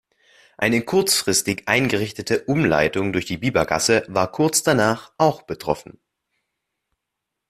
Eine kurzfristig eingerichtete Umleitung durch die Biebergasse war kurz danach auch betroffen.